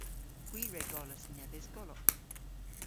Hwi re gollas nebes golok.